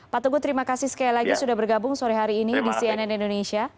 pak teguh terima kasih sekali lagi sudah bergabung sore hari ini di cnn indonesia